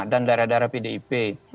dan daerah daerah pdip